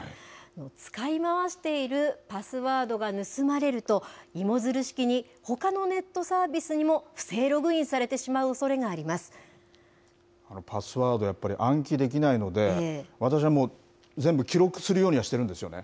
使い回しているパスワードが盗まれると、芋づる式にほかのネットサービスにも不正ログインされてしまうおパスワード、やっぱり暗記できないので、私はもう全部、記録するようにはしてるんですよね。